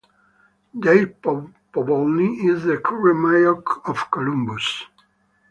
Dave Povolny is the current Mayor of Columbus.